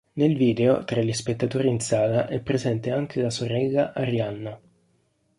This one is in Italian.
Nel video tra gli spettatori in sala è presente anche la sorella Arianna.